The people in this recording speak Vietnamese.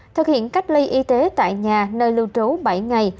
thực hiện cách ly y tế tại nhà nơi lưu trú bảy ngày